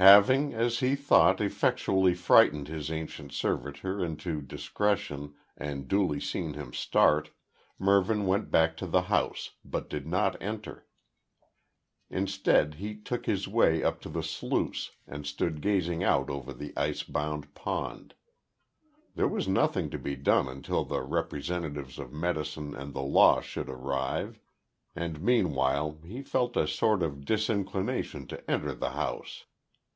Having, as he thought, effectually frightened his ancient servitor into discretion, and duly seen him start, Mervyn went back to the house, but did not enter. Instead, he took his way up to the sluice and stood gazing out over the ice bound pond. There was nothing to be done until the representatives of medicine and the law should arrive, and meanwhile he felt a sort of disinclination to enter the house.